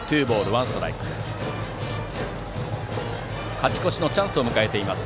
勝ち越しのチャンスを迎えています